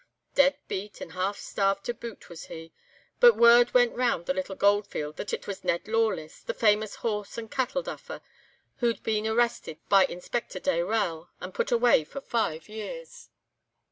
"Dead beat and half starved to boot was he, but word went round the little goldfield that it was Ned Lawless, the famous horse and cattle 'duffer' who'd been arrested by Inspector Dayrell, and 'put away' for five years.